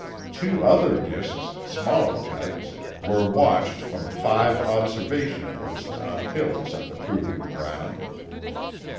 Two other disks, smaller types, were watched from five observation posts on hills at the proving ground.